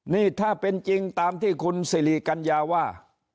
นี่ถ้าเป็นจริงตามที่คุณสิริกัญญาว่า